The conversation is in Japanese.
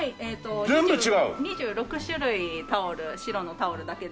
２６種類タオル白のタオルだけで。